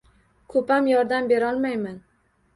Ko`pam yordam berolmayman